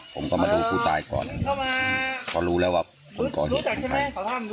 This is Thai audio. ผมก็มาดูฟูตายก่อนก็รู้แล้วว่าผมก็เห็นใคร